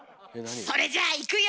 それじゃあいくよ。